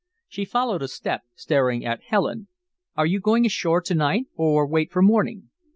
She followed a step, staring at Helen. "Are you going ashore to night or wait for morning?"